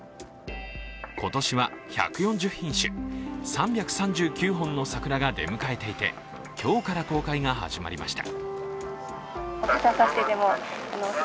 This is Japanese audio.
今年は１４０品種、３３９本の桜が出迎えていて今日から公開が始まりました。